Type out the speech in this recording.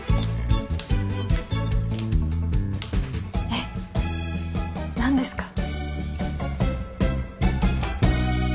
えっ何ですか？